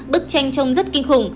bức tranh trông rất kinh khủng